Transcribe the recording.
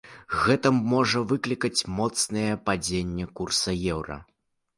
Гэта можа выклікаць моцнае падзенне курса еўра.